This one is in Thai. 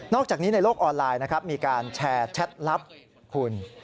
อกจากนี้ในโลกออนไลน์นะครับมีการแชร์แชทลับคุณ